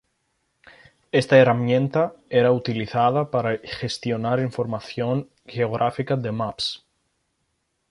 Esta herramienta era utilizada para gestionar información geográfica de Maps.